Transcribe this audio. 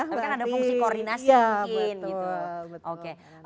tapi kan ada fungsi koordinasi mungkin gitu